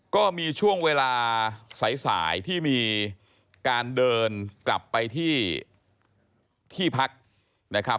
ก็มีช่วงเวลาสายที่มีการเดินกลับไปที่ที่พักนะครับ